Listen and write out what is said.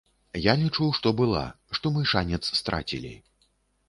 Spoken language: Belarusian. Я лічу, што была, што мы шанец страцілі.